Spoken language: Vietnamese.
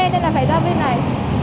nên là phải ra bên này